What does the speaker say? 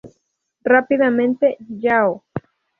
Rápidamente Yahoo!